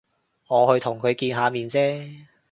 我去同佢見下面啫